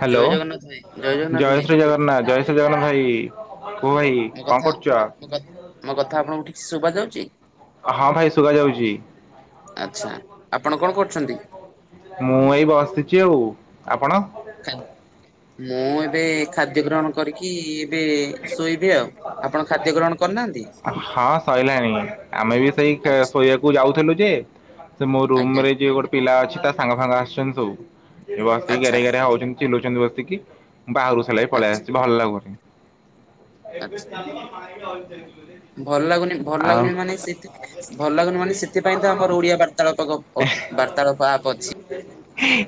Hello ଜୟ ଜଗନ୍ନାଥ ଭାଇ ଜଗନ୍ନାଥ ଭାଇ ଜୟ ଶ୍ରୀ ଜଗନ୍ନାଥ ଜୟ ଜଗନ୍ନାଥ ଭାଇ କୁଅ ଭାଇ ମୋ କଣ କଥା କରୁଛ? ମୋ କଥା ମୋ କଥା ଆପଣଙ୍କୁ ଠିକ୍ ଶୁଭାଯାଉଛି? ହଁ ଭାଇ ଶୁଭା ଯାଉଛି। ଆଛା ଆପଣ କଣ କରୁଛନ୍ତି? ମୁଁ ଏଇ ବସିଛି ଆଉ ଆପଣ? କାଲି ମୁଁ ଏବେ ଖାଦ୍ୟ ଗ୍ରହଣ କରିକି ଏବେ ଶୋଇବି ଆଉ। ଆପଣ ଖାଦ୍ୟ ଗ୍ରହଣ କରିନାହାନ୍ତି? [unintelligible] ସଇଲାଣି ଆମେ ବି ସେଇ ଆଚ୍ଛା ଶୋଇବାକୁ ଯାଉଥିଲୁ ଯେ ସେ ମୋ ରୁମ୍ ଆଜ୍ଞା ରେ ଯିଏ ଗୋଟେ ପିଲା ଅଛି ତା ସାଙ୍ଗ ଫାଙ୍ଗ ଆସିଛନ୍ତି ସବୁ। ଏଠି ବସିକି ଆଚ୍ଛା ଗେରେ ଗେରେ ହଉଛନ୍ତି ଚିଲଉଛନ୍ତି ବସିକି। ବାହାରକୁ ସେଇଲାଗି ପଳେଇ ଆଚ୍ଛା ଆସଛି ଭଲ ଲାଗୁନି। ଆଚ୍ଛା। [unintelligible] ଭଲ ଲାଗୁନି ଭଲ ଆଉ ଲାଗୁନି ମାନେ ସେଇଥି ଭଲ ଲାଗୁନି ମାନେ ସେଥିପାଇଁ ତ ଆମର ଓଡିଆ ବାର୍ତ୍ତାଳାପ ବାର୍ତ୍ତାଳାପ ଆପ୍ ଅଛି।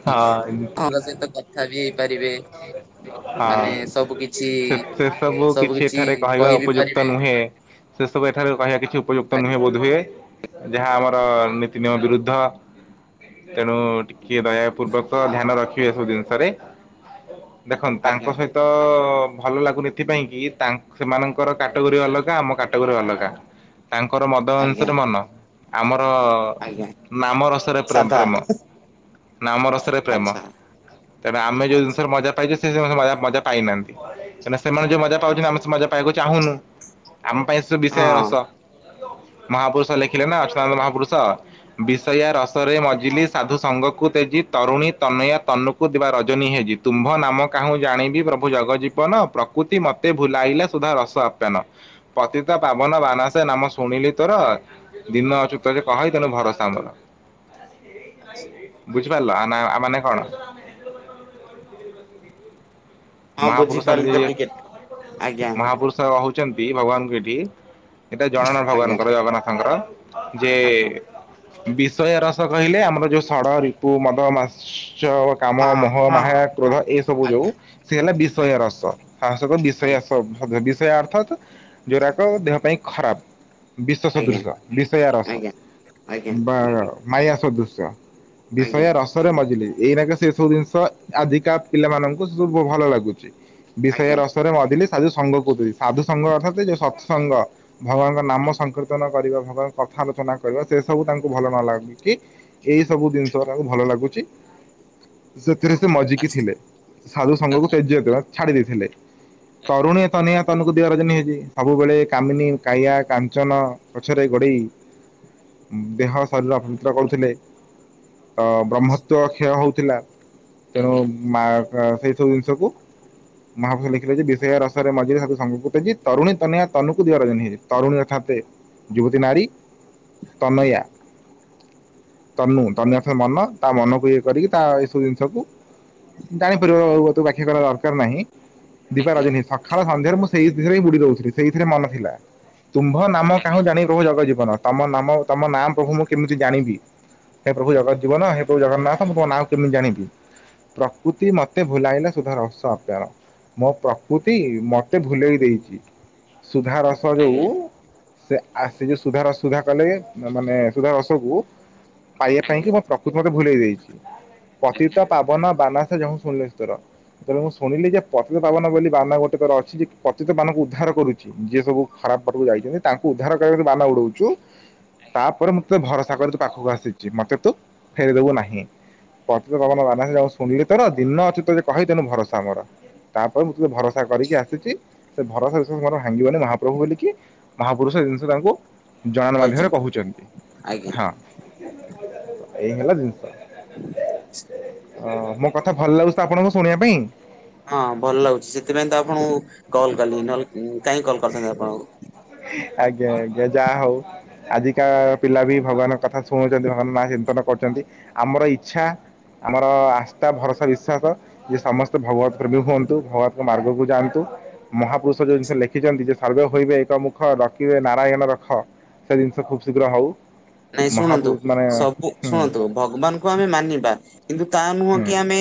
ହଁ। ତାଙ୍କ ସହିତ କଥା ବିି ହେଇପାରିବେ। ହଁ। ମାନେ ସବୁ କିଛି ସେ ସେ ସବୁ କିଛି ଏଠାରେ କହିବା ଉପଯୁକ୍ତ ନୁହେଁ। ସେ ସବୁ ଏଠାରେ କହିବା କିଛି ଉପଯୁକ୍ତ ନୁହେଁ ବୋଧହୁଏ? ଯାହା ଆମର ନୀତି ନିିୟମ ବିରୁଦ୍ଧ। ତେଣୁ ଟିକେ ଦୟାପୂର୍ବକ ତ ଧ୍ୟାନ ରଖିବେ ଏ ସବୁ ଜିନିଷରେ। ଦେଖନ୍ତୁ ଆଜ୍ଞା ତାଙ୍କୁ ସହିତ ଭଲ ଲାଗୁନି ଏଥିପାଇଁ କି ତା ସେମାନଙ୍କର କ୍ୟାଟେଗୋରୀ ଅଲଗା ଆମ କ୍ୟାଟେଗୋରୀ ଅଲଗା। ତାଙ୍କର ମଦ ଆଜ୍ଞା ଅଂଶରେ ମନ ଆମର ଆଜ୍ଞା। ନାମ ରସରେ ସାଧା ପ୍ରେମ। ନାମ ରସରେ ପ୍ରେମ। ଆଚ୍ଛା ତେବେ ଆମେ ଯେଉଁ ଆଚ୍ଛା ମଜା ପାଇଛନ୍ତି ସେ ମଜା ପାଇନାହାନ୍ତି, କାହିଁକିନା ସେମାନେ ଯେଉଁ ମଜା ପାଉଛନ୍ତି ଆଚ୍ଛା ଆମେ ସେ ମଜା କହିବାକୁ ଚାହୁଁନୁ ଆମ ପାଇଁ ସବୁ ବିଷୟ ହଁ ରସ। ମହାପୁରୁଷ ଲେଖିଲେ ନା ଅଚ୍ୟୁତାନନ୍ଦ ମହାପୁରୁଷ ବିଷୟା ର ବିଷୟା ରସରେ ମଜିଲି ସାଧୁ ସଙ୍ଗକୁ ତେଜ୍ଜୀ ତରୁଣୀ ତନୟା ତନୁକୁ ଦିବା ରଜନୀ ହେଜୀ। ତୁମ୍ଭ ନାମ କାହୁଁ ଜାଣିବି ପ୍ରଭୁ ଜଗଜ୍ଜୀବନ, ପ୍ରକୃତି ମୋତେ ଭୁଲାଇଲା ସୁଧା ରସ ଆପ୍ୟାନ। ପତିତପାବନ ବାନା ସେ ନାମ ଶୁଣିଲି ତୋର। ଦିନ ଅଚ୍ୟୁତ ଭଣଇ ତୁହି ଭରସା ମୋର। ବୁଝିପାରିଲ ଆ ନାଁ ମାନେ କଣ? ହଁ ମହାପୁରୁଷ ବୁଝିପାରିଲି ତ ନିଜେ ଟିକେ ଆଜ୍ଞା ମହାପୁରୁଷ କହୁଛନ୍ତି ଭଗବାନଙ୍କୁ ଏଇଠି, ଏଇଟା ଜଣାଣ ଆଜ୍ଞା ଭଗବାନଙ୍କର ଜଗନ୍ନାଥଙ୍କର। ଯେ ଆଜ୍ଞା ବିଷୟ ରସ କହିଲେ ଆମର ଯୋଉ ଷଡ଼ରିପୁ ମଦମାତ୍ସର୍ଯ୍ୟ କାମ, ହଁ ମୋହ, ହଁ ମାୟା, କ୍ରୋଧ ଏସବୁ ଯେଉଁ ଆଜ୍ଞା ସେ ହେଲା ଆଜ୍ଞା ବିଷୟାରସବ ଆଜ୍ଞା [unintelligible] ବିଷୟ ଅର୍ଥଗତ ଯେଉଁରାକ ଦେହ ପାଇଁ ଖରାପ। ବିଷ ଆଜ୍ଞା ସଦୃଶ ବିଷୟାରସ ଆଜ୍ଞା ବା ମାୟା ସଦୃଶ୍ୟ। ଆଜ୍ଞା ବିଷୟାରସ ରେ ମଜିଲି ଏଇନାକେ ସେ ସବୁ ଜିନିଷ ଆଜିକା ପିଲାମାନଙ୍କୁ ସୁଟ୍ ଖୁବ୍ ଭଲ ଲାଗୁଛି। ଆଜ୍ଞା ଆଜ୍ଞା ବିଷୟାରସରେ ମଜ୍ଜିଲି ସାଧୁ ସଙ୍ଗକୁ ବହୁ ସାଧୁ ସଂଘ ଅର୍ଥାତ ଯୋଉ ସତ୍ସଙ୍ଗ। ଭଗବାନଙ୍କ ନାମ ସଂକୀର୍ତ୍ତନ କରିବାକୁ ବା କଥା ଆଲୋଚନା କରିବା ସେ ସବୁ ତାଙ୍କୁ ଭଲ ନ ଲାଗୁଛି। ଏଇ ସବୁ ଜିନିଷ ଭଲ ଲାଗୁଛି ସେଥିରେ ସେ ମଜିକି ଥିଲେ। ସାଧୁ ସଂଘକୁ ତେଜ୍ୟ ବା ଛାଡି ଦେଇଥିଲେ, ତରୁଣୀତନୟା କୁ ଜନ ହେଇଛି ସବୁବେଳେ କାମିନୀ କାୟା କାଞ୍ଚନ ପଛରେ ଗୋଡେଇ ଦେହ ଶରୀର ଅସୁସ୍ଥ କରୁଥିଲେ। ତ ବ୍ରହ୍ମତ୍ୱ କ୍ଷୟ ହେଉଥିଲା, ତେଣୁ ମା ସେଇ ସବୁ ଜିନିଷକୁ ମହାପୁରୁଷ ଲେଖିଲେ ଯେ ବିଷୟା ରସରେ ମଜିଲି ସାଧୁ ସଙ୍ଗକୁ ତେଜ୍ଜୀ ତରୁଣୀ ତନୟା ତନୁକୁ ଦିବା ରଜନୀ ହେଜୀ। ତରୁଣୀ ଅର୍ଥାତ୍ ଯୁବତୀ ନାରୀ ତନୟା ତନୁ ତନୁ ଅର୍ଥ ମନ ତା ମନକୁ ଇଏ କରିକି ତା ଏସବୁ ଜିନିଷକୁ ଜାଣିପାରିବ ହୁଏତ ବ୍ୟାଖ୍ୟା କରିବା ଦରକାର ନାହିଁ। ଦିବା ରଜନୀ ସକାଳ ସଂଧ୍ୟାରେ ସେଇରେ ହିଁ ବୁଡି ଦଉଥିଲି ସେଇଥିରେ ମନ ଥିଲା ତୁମ୍ଭ ନାମ କାହୁଁ ଜାଣି କହୁ ଜଗ ଜୀବନ। ତମ ନାମ ତମ ନା ପ୍ରଭୁ ମୁଁ କେମିତି ଜାଣିବି। ହେ ପ୍ରଭୁ ଜଗତଜୀବନ ହେ ପ୍ରଭୁ ଜଗନ୍ନାଥ ମୁଁ ତମ ନାଁ କୁ କେମିତି ଜାଣିବି। କୁତି ମତେ ଭୁଲାଇଲେ ସୁଧ ରହସ୍ୟ ଅପାର। ମୋ ପ୍ରକୃତି ମତେ ଭୁଲେଇି ଦେଇଛି ସୁଧା ରସ ଯଉ ଆଜ୍ଞା ସେ ଆସୁଛି ଯୋଉ ସୁଧାରସ ସୁଧା କଲେ ମାନେ ସୁଧାର ରସକୁ ପାଇବା ପାଇଁ କି ମୁଁ ପ୍ରକୃତ ମତେ ଭୁଲେଇ ଦେଇଛି ଆଜ୍ଞା ପତିତ ପାବନ ବାନା ଯଉ ଶୁିଲସ ତୋର। ତେବେ ମୁଁ ଶୁଣିଲି ଯେ ପତିତ ପାବନ ବୋଲି ବାନ ଗୋଟେକର ଅଛି ଯେ ପତିତ ବାନଙ୍କୁ ଉଦ୍ଧାର କରୁଛି। ଯିଏ ସବୁ ଖରାପ ପଟକୁ ଯାଇଛନ୍ତି ତାଙ୍କୁ ଉଦ୍ଧାର କରିବା ବାନ ଉଡଉଛୁ। ତାପରେ ମୁଁତେ ଭରସା କରି ତୋ ପାଖକୁ ଆସିଛି ମତେ ତୁ ଫେରେଇଦବୁ ନାହିଁ। ପତିତପାବନ ବାନା ଶୁଣିଲି ତର ଦିନ ଅଛି ତୁ କହିଦେ ଭରସା ମର। ତାପରେ ମୁଁ ଭରସା କରିକି ଆସିଛି ସେ ଭରସା ବିଷୟରେ ମୋର ଭାଙ୍ଗିବନି ମହାପ୍ରଭୁ ବୋଲିିକି। ମହାପୁରୁଷ ଏଇ ଜିନିଷ ତାଙ୍କୁ ଜଣାଣ ମାଧ୍ୟମରେ କହିଛନ୍ତି କହୁଛନ୍ତି। ଆଜ୍ଞା ହଁ, ଏଇ ହେଲା ଜିନିଷ। କଥା ଭଲ ଲାଗୁଛିତ ଆପଣଙ୍କୁ ଶୁଣିବା ପାଇଁ। ହଁ ଭଲ ଲାଗୁଛି ସେଥିପାଇଁ ତ ଆପଣଙ୍କୁ କଲ୍ କଲି ନହେଲେ କାଇଁ କଲ୍ କରିଥାନ୍ତି ଆପଣଙ୍କୁ। ଆଜ୍ଞା ଆଜ୍ଞା ଯାହା ହଉ ଆଜିକା ପିଲା ବି ଭଗବାନଙ୍କ କଥା ଶୁଣୁଛନ୍ତି ଭଗବାନଙ୍କ ନାଁ ଚିନ୍ତନ କରୁଛନ୍ତି ଆମର ଇଚ୍ଛା। ଆମର ଆସ୍ଥା ଭରସା ବିଶ୍ୱାସ। ଯେ ସମସ୍ତେ ଭଗବତ ପ୍ରେମୀ ହୁଅନ୍ତୁ ଭଗବତ ମାର୍ଗକୁ ଯାଆନ୍ତୁ। ମହାପୁରୁଷ ଯେଉଁ ଜିନିଷ ଲେଖିଛନ୍ତି ଯେ ସର୍ଭେ ହୋଇବେ ଏକମୁକ ରଖ ରଖିବେ ନାରାୟଣ ରଖ ସେ ଜିନିଷ ଖୁବ୍ ଶୀଘ୍ର ହଉ। ନାଇଁ ଶୁଣନ୍ତୁ ମହାପୁରୁ ମାନେ ସବୁ ହୁଁ ଶୁଣନ୍ତୁ। ଭଗବାନଙ୍କୁ ଆମେ ମାନିବା କିନ୍ତୁ ତା ନୁହଁ ହୁଁ କି ଆମେ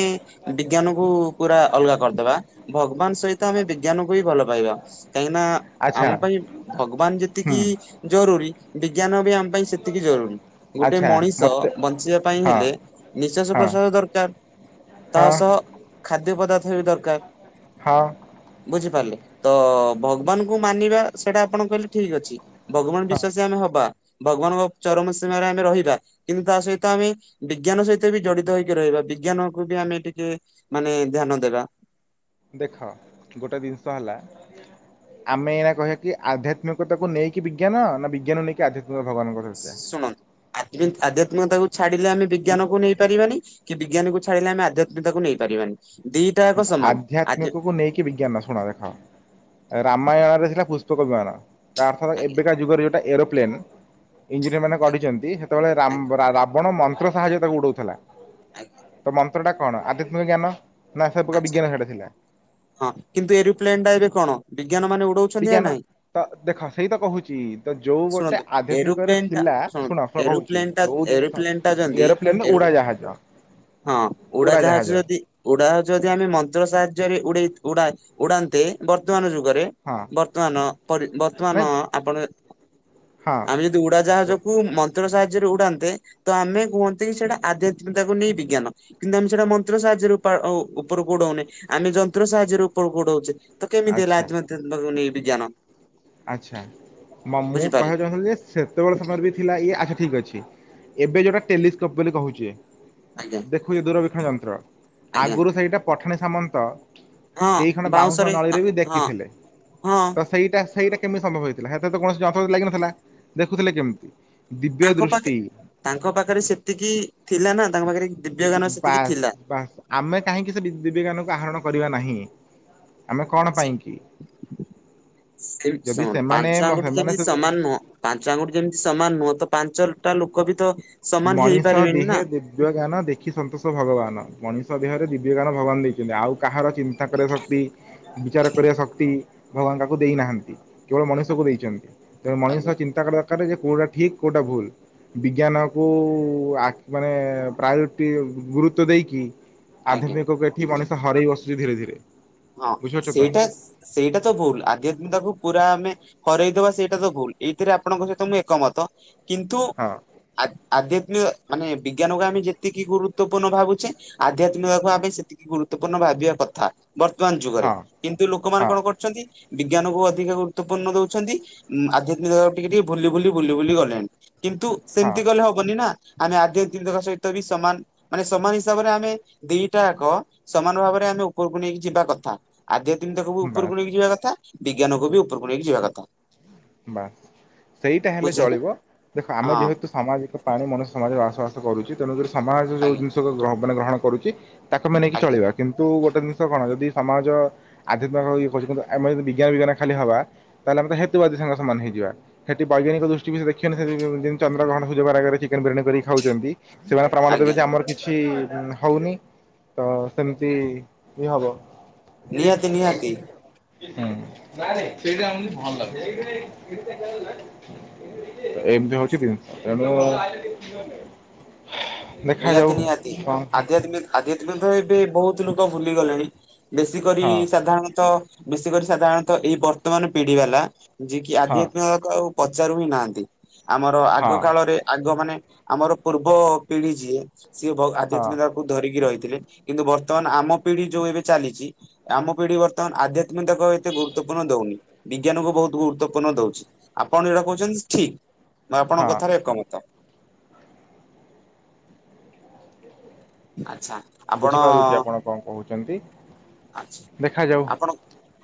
ବିଜ୍ଞାନକୁ ପୁରା ଅଲଗା କରିଦେବା ଭଗବାନ ସହିତ ଆମେ ବିଜ୍ଞାନକୁ ବିି ଭଲ ପାଇବା କାହିଁକିନା। ଆମ ଆଚ୍ଛା ପାଇଁ ଭଗବାନ ହୁଁ ଯେତିକି ଜରୁରୀ ବିଜ୍ଞାନ ବି ଆମ ପାଇଁ ସେତିକି ଏତିକି ଜରୁରୀ ଗୋଟେ ଆଚ୍ଛା ମଣିଷ ମୋତେ ବଞ୍ଚିବା ପାଇଁ ହଁ ହେଲେ ନିଶ୍ୱାସ ହଁ ପ୍ରଶ୍ଵାସ ଦରକାର। ତା ହଁ ସହ ଖାଦ୍ୟ ପଦାର୍ଥ ବି ଦରକାର। ହଁ ବୁଝିପାରିଲେ ତ ଭଗବାନଙ୍କୁ ମାନିବା ସେଇଟା ଆପଣ କହିଲେ ଠିକ ଅଛି। ଭଗବାନ ହଁ ବିଶ୍ଵାସୀ ଆମେ ହବା ଭଗବାନଙ୍କ ଚରମ ସୀମାରେ ଆମେ ରହିବା। କିନ୍ତୁ ତା ସହିତ ଆମେ ବିଜ୍ଞାନ ସହିତ ବି ଜଡିତ ହେଇକି ରହିବା ବିଜ୍ଞାନକୁ ବି ଆମେ ଟିକେ ମାନେ ଧ୍ୟାନ ଦେବା। ଦେଖ ଗୋଟେ ଜିନିଷ ହେଲା- - ଆମେ ଏଇନା କହିବାକି ଆଧ୍ୟାତ୍ମିକତାକୁ ନେଇକି ବିଜ୍ଞାନ ନା ବିଜ୍ଞାନ ନେଇକି ଆଧ୍ୟାତ୍ମିକ ଭଗବାନଙ୍କର ଚର୍ଚ୍ଚା। ଶୁଣନ୍ତୁ ଆଧ୍ୟ ଆଧ୍ୟାତ୍ମିକତାକୁ ଛାଡିଲେ ଆମେ ବିଜ୍ଞାନକୁ ନେଇ ପାରିବାନି। କି ବିଜ୍ଞାନକୁ ଛାଡିଲେ ଆମେ ଆଧ୍ୟାତ୍ମିକତାକୁ ନେଇ ପାରିବାନି। ଦିଟା ଯାକ ସମାନ ଆଜ୍ଞା ଆଧ୍ୟାତ୍ମିକକୁ ନେଇକି ବିଜ୍ଞାନ ଶୁଣ ଦେଖ। ରାମାୟଣରେ ଥିଲା ପୁଷ୍ପକ ବିମାନ ତା ଅର୍ଥ ଆଜ୍ଞା ଏବେକା ଯୁଗରେ ଯୋଉଟା ଏରୋପ୍ଲେନ। ଇଞ୍ଜିନିୟର ମାନେ ଆଜ୍ଞା ଗଢିଛନ୍ତି ସେତେବେଳେ ରାମ ରାବଣ ମନ୍ତ୍ର ସାହାଯ୍ୟରେ ତାକୁ ଉଡଉଥିଲା। ଆଜ୍ଞା ତ ମନ୍ତ୍ରଟା କଣ ଆଧ୍ୟାତ୍ମିକ ଆଚ୍ଛା ଜ୍ଞାନ [unintelligible] ହଁ କିନ୍ତୁ ଏରୋପ୍ଲେନ ଟା ଏବେ କଣ ବିଜ୍ଞାନ ମାନେ ଉଡ ବିଜ୍ଞାନତ ଦେଖ ସେଇ ତ କହୁଛି। ତ ଯୋଉ ଗୋଟେ ଶୁଣନ୍ତୁ ଆଧ୍ୟାତ୍ମିକରେ ଏରୋପ୍ଲେନ ଟା ଥିଲା ଶୁଣନ୍ତୁ ଶୁଣ କହୁଛି ଏରୋପ୍ଲେନ ଟା ଯୋଉ ଜିନିଷ ଏରୋପ୍ଲେନ ଟା ଯଦି [inaudible] [inaudible] ଏରୋ ଉଡ଼ାଜାହାଜ ହଁ ଉଡାଜାହାଜ ଯଦି ଉଡ଼ାଜାହାଜ ଯଦି ଆମେ ମନ୍ତ୍ର ସାହାଯ୍ୟରେ ଉଡେଇ ଉଡ଼ା ଉଡ଼ାନ୍ତେ ବର୍ତ୍ତମାନ ଯୁଗରେ ହଁ ବର୍ତ୍ତମାନ ପରି ନାଇଁ ବର୍ତ୍ତମାନ ଆପଣ ହଁ ଆମେ ଯଦି କ ଉଡାଜାହାଜକୁୁ ମନ୍ତ୍ର ସାହାଯ୍ୟରେ ଉଡ଼ାନ୍ତେ ତ ଆମେ କୁହନ୍ତି କି ସେଇଟା ଆଧ୍ୟାତ୍ମିକତାକୁ ନେଇ ବିଜ୍ଞାନ। କିନ୍ତୁ ଆମେ ସେଟା ମନ୍ତ୍ର ସାହାଯ୍ୟରେ ଉପା ଆଉ ଉପର କୁ ଉଡଉନେ ଆମେ ଯନ୍ତ୍ର ସାହାଯ୍ୟରେ ଉପରକୁ ଉଡଉଛେ। ତ କେମିତି ହେଲା ଆଚ୍ଛା ଆଜି ମ ତମ ବିଜ୍ଞାନ? ଆଚ୍ଛା, ମୋ ମୁଁ କହିବାକୁ ବୁଝିପାରିଲେ ଚାହୁଁଥିଲି ଯେ ସେତେବେଳେ ସମୟରେ ବି ଥିଲା ଇଏ ଆଚ୍ଛା ଠିକ୍ ଅଛି, ଏବେ ଯୋଉଟା ଟେଲିସ୍କୋପ୍ ବୋଲି କହୁଛି ଆଜ୍ଞା ଦେଖୁଛି ଦୂରବୀକ୍ଷଣ ଯନ୍ତ୍ର, ଆଜ୍ଞା ଆଗରୁ ସେଇଟା ପଠାଣି ସାମନ୍ତ ହଁ ଦି ଖଣ୍ଡ ବାଉଁଶ ବାଉଁଶରେ ନଳୀରେ ବି ହଁ ଦେଖିଥିଲେ। ହଁ ତ ସେଇଟା ସେଇଟା କେମତି ସମ୍ବଭ ହେଇ ଥିଲା ସେତେ କୌଣସି ଯନ୍ତ୍ରପାତି ଲାଗି ନଥିଲା। ଦେଖୁଥିଲେ କେମିତି ଦିବ୍ୟ ତାଙ୍କ ପାଖେ ଦୃଷ୍ଟି ତାଙ୍କ ପାଖରେ ସେତିକି ଥିଲା ନା ତାଙ୍କ ପାଖରେ ଦିବ୍ୟ ଜ୍ଞାନ ସେତିକି ବାସ୍ ଥିଲା। ବାସ୍ ଆମେ କାହିଁକି ସେ ଦିବ୍ୟଜ୍ଞାନକୁ ଆହରଣ କରିବା ନାହିଁ? ଆମେ କଣ ସେ ପାଇଁ କି ସେ -ଯଦି ଶୁଣ ସେମାନେ ପାଞ୍ଚ ମ ଆଙ୍ଗୁଠି ସେମାନେ ଯେମିତି ସମାନ ନୁହଁ ପାଞ୍ଚ ଆଙ୍ଗୁଠି ଯେମିତି ସମାନ୍ ନୁହଁ ତ ପାଞ୍ଚଟା ଲୋକ ବି ତ ସମାନ ମଣିଷ ହେଇପାରିବେନି ନା। ଦେହେ ଦିବ୍ୟ ଜ୍ଞାନ ଦେଖି ସନ୍ତୋଷ ଭଗବାନ ମଣିଷ ଦେହରେ ଦିବ୍ୟ ଗାନ ଭଗବାନ ଦେଇଛନ୍ତି, ଆଉ କାହାର ଚିନ୍ତା କରିବା ଶକ୍ତି, ବିଚାର କରିବା ଶକ୍ତି, ଭଗବାନ ତାକୁ ଦେଇନାହାନ୍ତି। କେବଳ ମଣିଷକୁ ଦେଇଛନ୍ତି, ତେଣୁ ମଣିଷ ଆଜ୍ଞା ଚିନ୍ତା କରିବା ଦରକାର ଯେଉଁଟା ଠିକ୍ କେଉଁଟା ଭୁଲ୍, ବିଜ୍ଞାନ କୁ ମାନେ ଆ ମାନେ ପ୍ରାୟୋରିଟି ଗୁରୁତ୍ୱ ଦେଇକି, ଆଜ୍ଞା ଆଧୁନିକ କୁ ଏକ୍ କି ମଣିଷ ହରାଇ ବସୁଛି ଧୀରେ ଧୀରେ। ହଁ ବୁଝିପାରୁଛ ତ ସେଇଟା ସେଇଟା ତ ଭୁଲ୍ ଆଧ୍ୟାତ୍ମିକତାକୁୁ ପୁରା ଆମେ ହରଇଦବା ସେଇଟା ତ ଭୁଲ୍, ଏଇଥିରେ ଆପଣଙ୍କ ସହିତ ମୁଁ ଏକମତ କିନ୍ତୁ ହଁ। ଆ ଆଧ୍ୟାତ୍ମିକ ମାନେ ବିଜ୍ଞାନକୁ ଆମେ ଯେତିକି ଗୁରୁତ୍ୱପୂର୍ଣ୍ଣ ଭାବୁଛେ ଆଧ୍ୟାତ୍ମିକତା କୁ ଆମେ ସେତିକି ଗୁରୁତ୍ୱପୂର୍ଣ୍ଣ ଭାବିବା କଥା, ବର୍ତ୍ତମାନ ଯୁଗରେ ହଁ କିନ୍ତୁ ଲୋକମାନେ ହଁ କଣ କରୁ ଛନ୍ତି, ବିଜ୍ଞାନ କୁ ଅଧିକ ଗୁରୁତ୍ୱପୂର୍ଣ୍ଣ ଦଉଛନ୍ତି ଉ ଆଧ୍ୟାତ୍ମିକ ଟିକେ ଟିକେ ଭୂଲି ଭୂଲି ଭୂଲି ଭୂଲି ଗଲେଣି, କିନ୍ତୁ ହଁ ସେମିତି ଗଲେ ହବନି ନା ଆମେ ଆଧ୍ୟ୍ୟଦିଦର ସହିତ ବି ସମାନ୍ ମାନେ ସମୟ ହିସାବରେ ଆମେ ଦିଟା ଯାକ ସମାନ୍ ଭାବରେ ଆମେ ଉପରକୁ ନେଇକି ଯିବା କଥା ଆଧ୍ୟାତ୍ମିକକୁ ବି ବାସ୍। ଉପରକୁ ନେଇକି ଯିବା କଥା, ବିଜ୍ଞାନକୁ ବି ଉପରକୁ ନେଇକି ଯିବା କଥା। ବାସ୍ ସେଇଟା ହେଲେ ବୁଝିହେଲା ଚଳିବ, ଦେଖ ଆମେ ହଁ ଯେହେତୁ ସାମାଜିକ ପ୍ରାଣୀ ମନୁଷ୍ୟ ସମାଜିକ ବସବାସ କରୁଛି ତେଣୁକରି ସମାଜ ଯୋଉ ଆଜ୍ଞା ଜିନିଷ କୁ ମାନେ ଗ୍ରହଣ କରୁଛି ତାକୁ ଆମେ ନେଇକି ଆଜ୍ଞା ଚଳିବା। କିନ୍ତୁ ଗୋଟେ ଜିନିଷ କଣ ଯଦି ସମାଜ ଆଧ୍ୟାତ୍ମିକ ଇଏ କରୁଛି କିନ୍ତୁ ଆମେ ଯଦି ବିଜ୍ଞାନ ବିଜ୍ଞାନ ଖାଲି ହେବା ତାହେଲେ ଆମେ ତ ହେତୁବାଦି ସାଙ୍ଗ ସମାନ୍ ହେଇଯିବା, ସେଠି ବୈଜ୍ଞାନିକ ଦୃଷ୍ଟି ବି ସେ ଦେଖେନି ସେ ଯେମିତି ଚନ୍ଦ୍ରଗ୍ରହ ସୁର୍ଯ୍ୟପରାଗ ରେ ଅଛି। ଯେଉଁ ବିରିୟାନି କରି ଖାଉଛନ୍ତି ସେମାନେ ପ୍ରମାଣ ଦେବେ ଆଜ୍ଞା ଯେ ଆମର କିଛି କିଛି ହଉନି, ତ ସେମିତି ଇଏ ହବ। ନିହାତି ନିହାତି [unintelligible] ଏମତି ହଉଛି କି ଏ [unintelligible] ଦେଖାଯାଉ କଣ ହବ। ଆଧାତ୍ମିକ ତଏବେ ବହୁତ୍ ଲୋକ ଭୁଲିଗଲେଣି ବେଶୀ କରି ହଁ ସାଧାରଣତଃ ବେଶୀ କରି ସାଧାରଣତଃ ଏଇ ବର୍ତ୍ତମାନ ପିଢି ବାଲା ଯିଏ କିି ହଁ ଆଧ୍ୟାତ୍ମିକ ଆଉ ପଚାରୁ ହି ନାହାନ୍ତି, ଆମର ଆଗ ହଁ କାଳରେ ଆଗ ମାନେ ଆମର ପୂର୍ବ ପିଢି ଯିଏ ସିଏ ବହୁ ହଁ ଆଧ୍ୟାତ୍ମିକ କୁ ଧରିକି ରହିଥିଲେ କିନ୍ତୁ ବର୍ତ୍ତମାନ ଆମ ପିଢି ଯୋଉ ଏବେ ଚାଲିଛି ଆମ ପିଢି ବ ତ ଆଧ୍ୟାତ୍ମିକ ଏତେ ଗୁରୁତ୍ୱପୂର୍ଣ୍ଣ ଦଉନି। ବିଜ୍ଞାନକୁ ବହୁତ ଗୁରୁତ୍ୱପୂର୍ଣ୍ଣ ଦଉଛି ଆପଣ ଏଉଟା କହୁଛନ୍ତି ଠିକ୍, ମୁ ଆପଣଙ୍କ ହଁ କଥାରେ ଏକମତ। ଆଚ୍ଛା। ଆପଣ ବୁଝିପାରୁଛି ଆପଣ କଣ କହୁଛନ୍ତି, ଆଚ୍ଛା। ଦେଖାଯାଉ ଆପଣ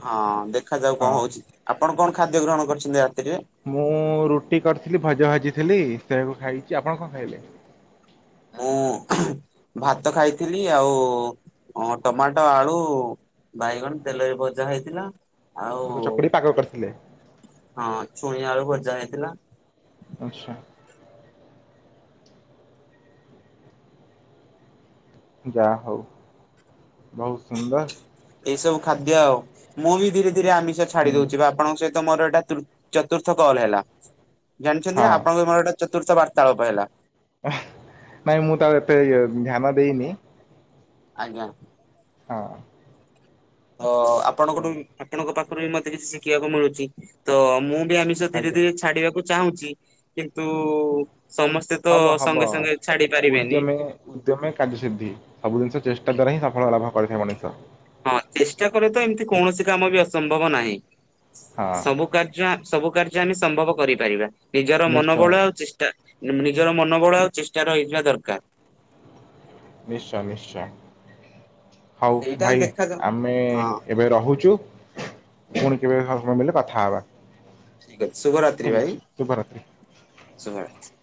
ହଁ ଦେଖାଯାଉ କଁ ହଁ ହଉଛି। ଆପଣ କଣ ଖାଦ୍ୟ ଗ୍ରହଣ କରିଚନ୍ତି ରାତିରେ? ମୁଁ ରୁଟି କରିଥିଲି ଭଜା ଭାଜିଥିଲି ସେଆକୁ ଖାଇଚି ଆପଣ କଁ ଖାଇଲେ? ମୁଁ ଭାତ ଖାଇଥିଲି ଆଉ ଅଁ ଟମାଟ, ଆଳୁ ବାଇଗଣ ତେଲରେ ଭଜା ହେଇଥିଲା ଆଉ ତାକୁ ଚକୁଡି ପାଗ କରିଥିଲେ ହଁ ଛୁଇଁ ଆଳୁ ଭଜା ହେଇଥିଲା। ଆଚ୍ଛା। ଯା ହଉ ବହୁ ସୁନ୍ଦର୍। ଏଇସବୁ ଖାଦ୍ୟ ଆଉ ମୁଁ ବି ଧୀରେ ଧୀରେ ଆମିଷ ଛାଡି ହୁଁ ଦଉଚି ବା ଆପଣଙ୍କ ସହି ତ ମୋର ଏଟା ତୃ ଚତୁର୍ଥ କଲ୍ ହେଲା, ଜାଣିଛନ୍ତି ନା ହଁ ଆପଣଙ୍କ ମୋର ଏଟା ଚତୁର୍ଥ ବାର୍ତ୍ତାଳପ ହେଲା। ନାଇଁ ମୁଁ ତ ଆଉ ଏତେ ଧ୍ୟାନ ଦେଇନି। ଆଜ୍ଞା। ହଁ। ତ ତ ଆପଣଙ୍କଠୁ ଆପଣଙ୍କ ପାଖରୁ ବି ମତେ କିଛି ଶିଖିଆକୁ ମିଳୁଛି ତ ମୁଁ ବି ଆମି ଷ ଧୀରେ ଆଜ୍ଞା ଧୀରେ ଛାଡିବାକୁ ଚାହୁଁଚି, କିନ୍ତୁ ସମସ୍ତେ ତ ହବ ହବ ସଙ୍ଗେ ସଙ୍ଗେ ଛାଡି ପାରିବେନି। ଉଦ୍ୟମେ ଉଦ୍ୟମେ କାର୍ଯ୍ୟସିଦ୍ଧି ସବୁ ଜିନିଷ ଚେଷ୍ଟା ଦ୍ଵାରା ହିଁ ସଫଳ ଲାଭ କରିଥାଏ ମଣିଷ। ହଁ ଚେଷ୍ଟା କଲେ ତ ଏମିତି କୌଣସି କାମ ବି ଅସମ୍ଭବ ନାହିଁ, ହଁ ସବୁ କାର୍ ଯ୍ୟ ସବୁ କାର୍ଯ୍ୟ ଆମେ ସମ୍ଭବ କରିପାରିବା, ନିଜର ମନୋବଳ ନିଶ୍ଚୟ ଆଉ ଚେଷ୍ଟା ଇଁମ୍ ନିଜର ମନୋବଳ ଆଉ ଚେଷ୍ଟା ରହିଥିବା ଦରକାର୍। ନିଶ୍ଚୟ ନିଶ୍ଚୟ। ହଉ ସେଇଟା ଭାଇ ଦେଖାଯାଉ। ଆମେ ହଁ ଏବେ ରହୁଚୁ। ପୁଣି କେବେ [inaudible] କଥା ହବା। ଠିକ୍ ଅଛି, ଶୁଭରାତ୍ରି ଭାଇ ଶୁଭରାତ୍ରି ଶୁଭରାତ୍